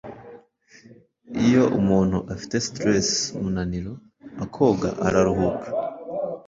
Iyo umuntu afite stress (umunaniro) akoga araruhuka